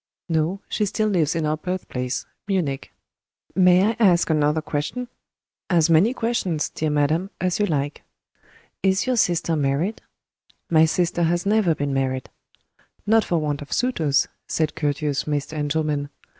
"No, she still lives in our birthplace Munich." "May I ask another question?" "As many questions, dear madam, as you like." "Is your sister married?" "My sister has never been married." "Not for want of suitors," said courteous Mr. Engelman.